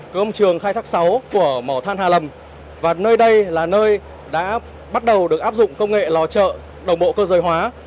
công trường khai thác sáu của mỏ than hà lầm và nơi đây là nơi đã bắt đầu được áp dụng công nghệ lò chợ đồng bộ cơ giới hóa